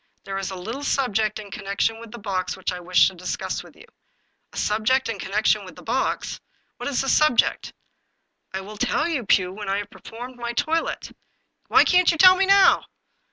There is a little subject in connection with the box which I wish to discuss with you." " A subject in connection with the box ? What is the subject?" " I will tell you, Pugh, when I have performed my toilet." " Why can't you tell me now